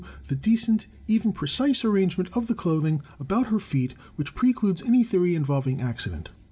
The decent, even precise, arrangement of the clothing about her feet, which precludes any theory involving accident.